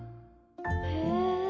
へえ。